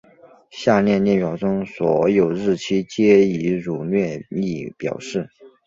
下方列表中所有日期皆以儒略历表示。